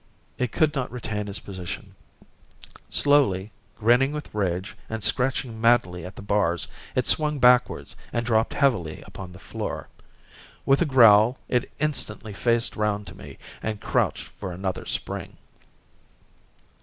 It could not retain its position. Slowly, grinning with rage, and scratching madly at the bars, it swung backwards and dropped heavily upon the floor. With a growl it instantly faced round to me and crouched for another spring.